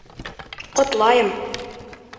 Ҡотлайым!